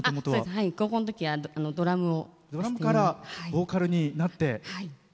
高校の時はドラムを。